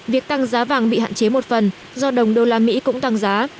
việc tăng giá vàng bị hạn chế một phần do đồng usd cũng tăng giá